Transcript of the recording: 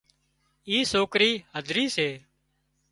اي سوڪرِي هڌري سي